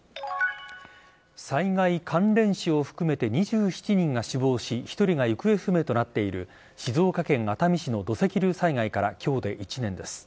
災害関連死を含めて２７人が死亡し１人が行方不明となっている静岡県熱海市の土石流災害から今日で１年です。